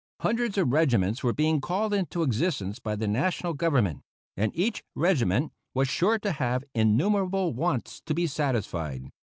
Hundreds of regiments were being called into existence by the National Government, and each regiment was sure to have innumerable wants to be satisfied.